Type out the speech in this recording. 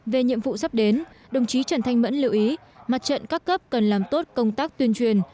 về nhiệm vụ sắp đến đồng chí trần thanh mẫn lưu ý mặt trận các cấp cần làm tốt công tác tuyên truyền